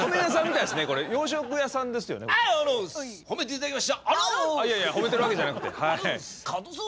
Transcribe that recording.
いやいや褒めてるわけじゃなくて。